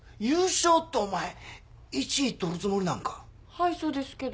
はいそうですけど。